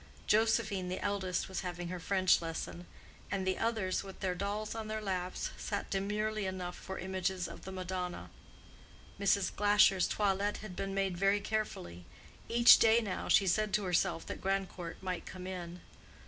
Josephine, the eldest, was having her French lesson; and the others, with their dolls on their laps, sat demurely enough for images of the Madonna. Mrs. Glasher's toilet had been made very carefully—each day now she said to herself that Grandcourt might come in.